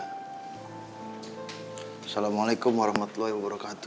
assalamualaikum warahmatullahi wabarakatuh